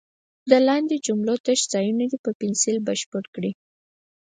د لاندې جملو تش ځایونه دې په پنسل بشپړ کړي.